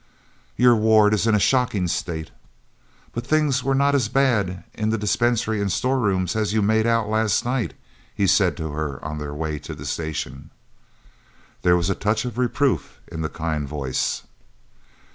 "Your ward is in a shocking state. But things were not as bad in the dispensary and store rooms as you made out last night," he said to her on their way to the station. There was a touch of reproof in the kind voice.